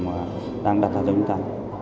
mà đang đặt ra cho chúng ta